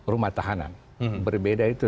rumah tahanan berbeda itu